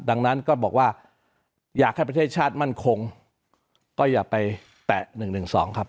ดังนั้นก็บอกว่าอยากให้ประเทศชาติมั่นคงก็อย่าไปแตะ๑๑๒ครับ